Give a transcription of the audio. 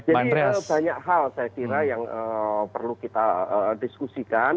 jadi banyak hal saya kira yang perlu kita diskusikan